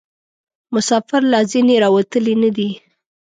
مسافر لا ځني راوتلي نه دي.